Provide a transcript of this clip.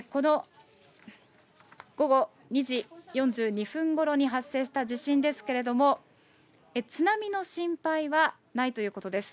午後２時４２分ごろに発生した地震ですけれども、津波の心配はないということです。